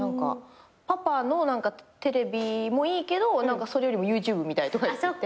「パパのテレビもいいけどそれよりもＹｏｕＴｕｂｅ見たい」とか言って。